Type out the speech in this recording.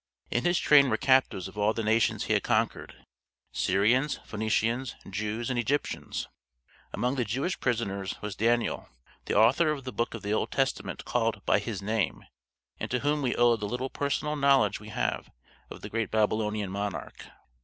In his train were captives of all the nations he had conquered: Syrians, Phoenicians, Jews, and Egyptians. Among the Jewish prisoners was Daniel, the author of the book of the Old Testament called by his name, and to whom we owe the little personal knowledge we have of the great Babylonian monarch.